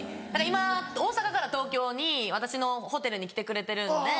今大阪から東京に私のホテルに来てくれてるんで。